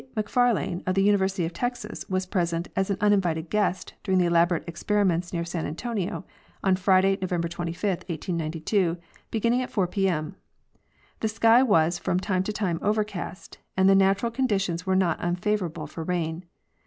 Macfarlane, of the University of Texas, was pres ent as an uninvited guest during the elaborate experiments near San Antonio on Friday, November 25, 1892, beginning at 4 pm. Thesky was from time to time overcast, and the natural con ditions were not unfavorable for rain.